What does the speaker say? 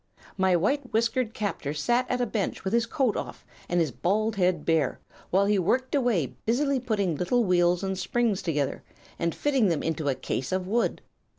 "My white whiskered captor sat at a bench with his coat off and his bald head bare, while he worked away busily putting little wheels and springs together, and fitting them into a case of wood.